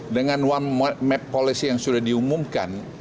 dengan one map policy yang sudah diumumkan